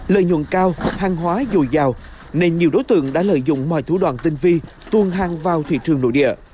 lợi nhuận cao hàng hóa dùi dào nên nhiều đối tượng đã lợi dụng mọi thủ đoàn tinh vi tuôn hàng vào thị trường nội địa